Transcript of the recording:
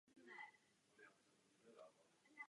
Například některé části lze vyložit dvojím způsobem.